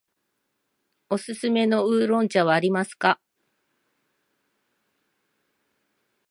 おすすめの黒烏龍茶はありますか。